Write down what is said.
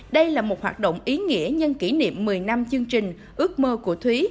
đây là một hoạt động ý nghĩa nhân kỷ niệm một mươi năm chương trình ước mơ của thúy